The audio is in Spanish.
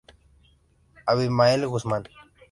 Abimael Guzmán.